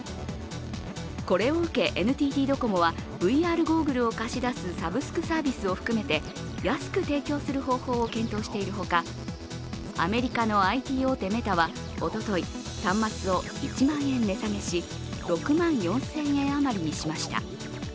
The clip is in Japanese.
これを受け、ＮＴＴドコモはＶＲゴーグルを貸し出すサブスクサービスを含めて安く提供する方法を検討しているほかアメリカのＩＴ大手・メタはおととい、端末を１万円値下げし、６万４０００円余りにしました。